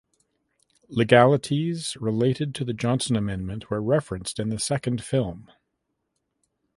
Legalities related to the Johnson Amendment were referenced in the second film.